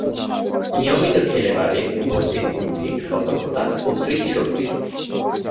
নিয়মিত খেলে বাড়ে উপস্থিত বুদ্ধি, সতর্কতা, স্মৃতিশক্তি।